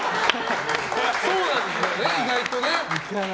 そうなんだよね、意外とね。